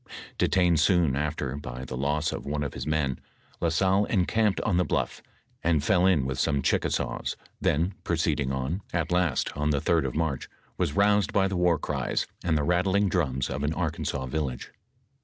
Detained soon after by the loss of one of his men. La Salle encamped on the bluff, and fell in with some Ohickasaws, then proceeding on, at last, on the Sd of March, was roused by the war cries, and the rattling drums of an Arkansas village.